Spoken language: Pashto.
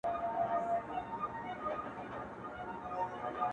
مــا يـــې كلــونـــه شــاگــردې وكـــړلـــه